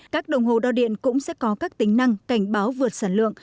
các đồng hồ đo điện cũng sẽ có các tính năng cảnh báo vượt sản lượng